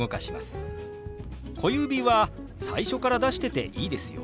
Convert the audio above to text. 小指は最初から出してていいですよ。